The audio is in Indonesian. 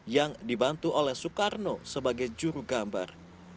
yang dibantu oleh soekarno sebagai jurugambar